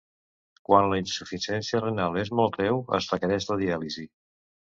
Quan la insuficiència renal és molt greu es requereix la diàlisi.